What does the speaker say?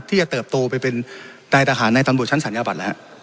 ที่จะเติบโตไปเป็นรายทหารในตำบวชชั้นสรรยาบัน